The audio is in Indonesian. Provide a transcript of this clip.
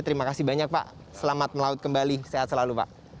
terima kasih banyak pak selamat melaut kembali sehat selalu pak